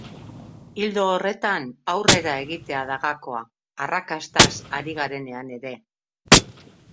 Ildo horretan aurrera egitea da gakoa, arrakastaz ari garenean ere.